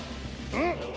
うん！